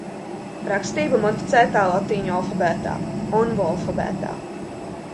Rakstība modificētā latīņu alfabētā – Onvu alfabētā.